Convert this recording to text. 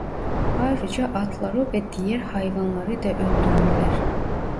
Ayrıca atları ve diğer hayvanları da öldürürler.